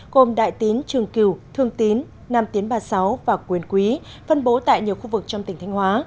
gồm đại tín trường cửu thương tín nam tiến ba mươi sáu và quyền quý phân bố tại nhiều khu vực trong tỉnh thanh hóa